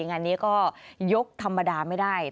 งานนี้ก็ยกธรรมดาไม่ได้